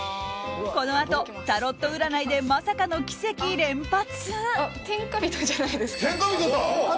このあとタロット占いでまさかの奇跡連発！